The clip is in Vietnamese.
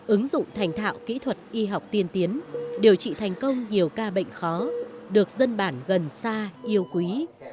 ứng dụng thành thạo kỹ thuật y học tiên tiến điều trị thành công nhiều ca bệnh khó được dân bản gần xa yêu quý